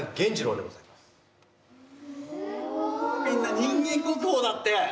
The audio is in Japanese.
みんな人間国宝だって！